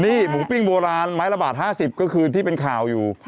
นี่หมูปิ้งโบราณไม้ละบาท๕๐ก็คือที่เป็นข่าวอยู่